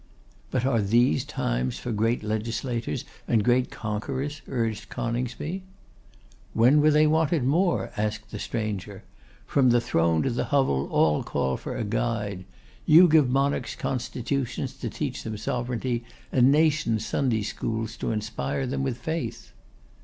'But are these times for great legislators and great conquerors?' urged Coningsby. 'When were they wanted more?' asked the stranger. 'From the throne to the hovel all call for a guide. You give monarchs constitutions to teach them sovereignty, and nations Sunday schools to inspire them with faith.